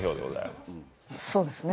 そうですね。